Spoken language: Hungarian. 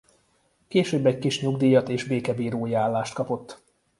Később egy kis nyugdíjat és békebírói állást kapott.